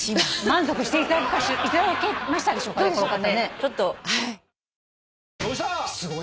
満足していただけましたでしょうかこの方。